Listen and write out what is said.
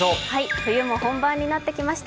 冬も本番になってきました。